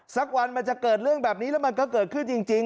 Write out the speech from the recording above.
สักวันมันจะเกิดเรื่องแบบนี้แล้วมันก็เกิดขึ้นจริง